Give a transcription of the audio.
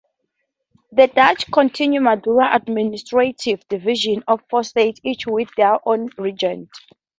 The Dutch continued Madura's administrative divisions of four states each with their own regent.